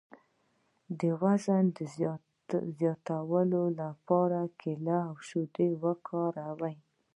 د وزن د زیاتولو لپاره کیله او شیدې وکاروئ